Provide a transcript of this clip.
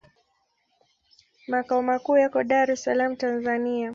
Makao makuu yako Dar es Salaam, Tanzania.